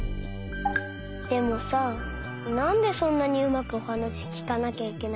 でもさなんでそんなにうまくおはなしきかなきゃいけないの？